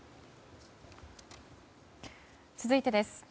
続いてです。